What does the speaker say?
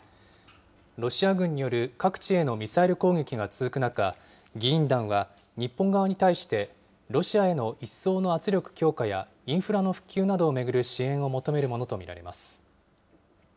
ロシア軍による各地へのミサイル攻撃が続く中、議員団は日本側に対してロシアへの一層の圧力強化や、インフラの復旧などを巡る支援を求めるものと見られます。